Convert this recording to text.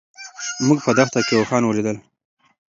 موږ په دښته کې اوښان ولیدل.